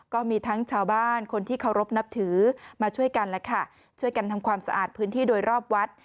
ก็มีทั้งชาวบ้านคนที่เคารพนับถือมาช่วยกันแล้วค่ะช่วยกันทำความสะอาดพื้นที่โดยรอบวัด